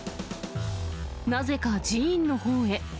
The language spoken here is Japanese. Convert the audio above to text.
なぜか寺院のほうへ。